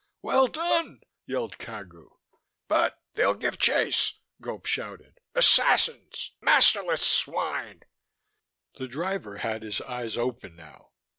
"Well done!" yelled Cagu. "But they'll give chase!" Gope shouted. "Assassins! Masterless swine!" The driver had his eyes open now.